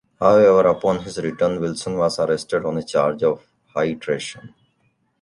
However, upon his return Wilson was arrested on a charge of high treason.